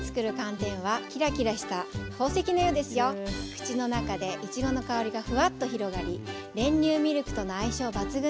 口の中でいちごの香りがフワッと広がり練乳ミルクとの相性抜群です。